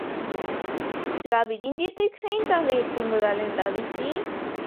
Labirintotik zein talde irtengo da lehendabizi?